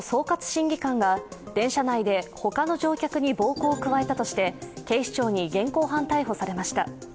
審議官が電車内で他の乗客に暴行を加えたとして警視庁に現行犯逮捕されました。